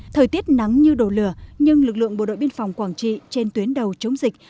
thời tiết nắng như đổ lửa nhưng lực lượng bộ đội biên phòng quảng trị trên tuyến đầu chống dịch